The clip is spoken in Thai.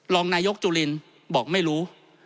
รองนายกจุลินบอกไม่รู้